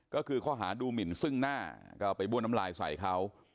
ก็คือข้อหาดูหมินซึ่งหน้าก็เอาไปบ้วนน้ำลายใส่เขา